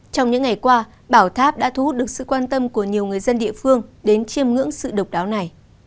trong những ngày qua bảo tháp đã thu hút được sự quan tâm của nhiều người dân địa phương đến chiêm ngưỡng sự độc đáo này